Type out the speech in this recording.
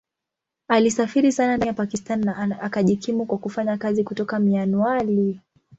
Alisafiri sana ndani ya Pakistan na akajikimu kwa kufanya kazi kutoka Mianwali.